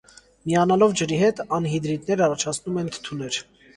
Միանալով ջրի հետ՝ անհիդրիդներ առաջացնում են թթուներ։